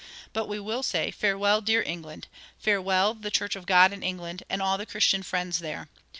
but we will say, Farewell, dear England! farewell, the church of God in England, and all the Christian friends there!